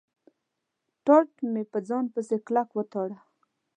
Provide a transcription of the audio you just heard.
ټاټ مې په ځان پسې کلک و تاړه.